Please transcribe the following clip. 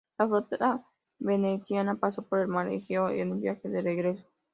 La flota veneciana pasó por el mar Egeo en el viaje de regreso.